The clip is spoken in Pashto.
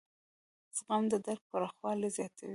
زغم د درک پراخوالی زیاتوي.